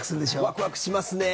ワクワクしますね！